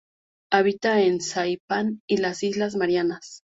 Habita en Saipan y las islas Marianas.